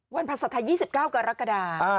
ภาษาไทย๒๙กรกฎา